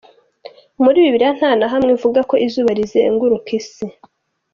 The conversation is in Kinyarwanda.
Muri Bibiliya nta na hamwe ivuga ko izuba rizenguruka isi.